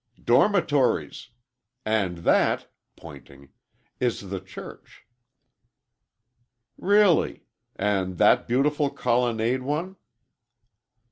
"Dormitories. And that," pointing, "is the church." "Really! And that beautiful colonnade one?"